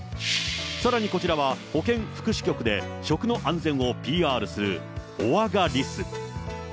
さらにこちらは、保健福祉局で食の安全をＰＲするおあがリス。